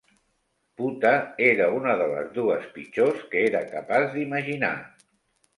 Puta era una de les dues pitjors que era capaç d'imaginar.